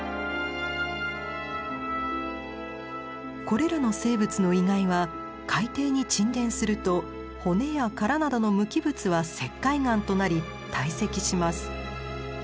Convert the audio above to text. これらの生物の遺骸は海底に沈殿すると骨や殻などの無機物は石灰岩となり堆積します。